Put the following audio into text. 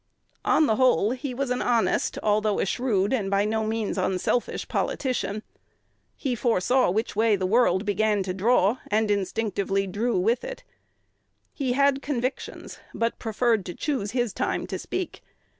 On the whole, he was an honest, although a shrewd, and by no means an unselfish politician. He ................."Foresaw Which way the world began to draw," and instinctively drew with it. He had convictions, but preferred to choose his time to speak.